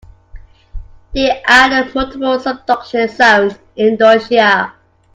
There are multiple subduction zones in Indonesia.